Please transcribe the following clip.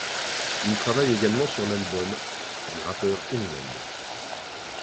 Il travaille également sur l'album ' du rappeur Eminem.